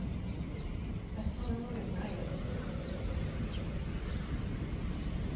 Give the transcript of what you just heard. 私そんな能力ないんで。